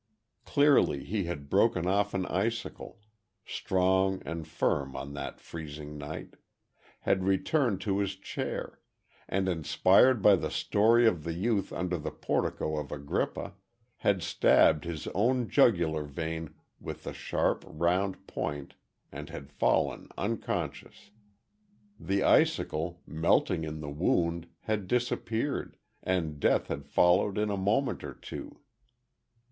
Clearly, he had broken off an icicle, strong and firm on that freezing night, had returned to his chair, and inspired by the story of the youth under the portico of Agrippa, had stabbed his own jugular vein with the sharp, round point, and had fallen unconscious. The icicle, melting in the wound, had disappeared, and death had followed in a moment or two.